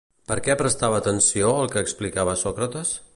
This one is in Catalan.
Per què prestava atenció al que explicava Sòcrates?